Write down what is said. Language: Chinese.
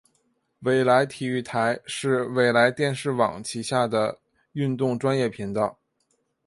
纬来体育台是纬来电视网旗下的运动专业频道。